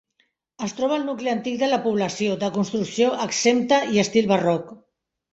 Es troba al nucli antic de la població, de construcció exempta i estil barroc.